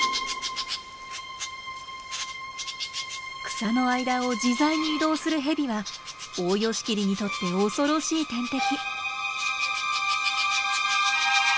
草の間を自在に移動するヘビはオオヨシキリにとって恐ろしい天敵。